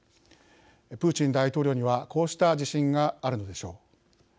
プーチン大統領にはこうした自信があるのでしょう。